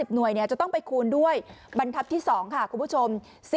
หน่วยจะต้องไปคูณด้วยบรรทัพที่๒ค่ะคุณผู้ชม